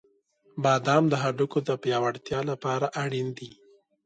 • بادام د هډوکو د پیاوړتیا لپاره اړین دي.